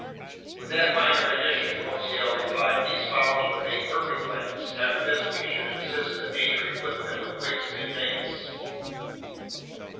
"With that minor addition," Conseil replied, "these fowl would make perfect lamps! After this, we should insist that nature equip them with wicks in advance!"